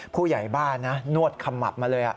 ผู้ใหญ่บ้านนะนวดขมับมาเลย